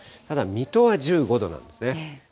ただ、水戸は１５度なんですね。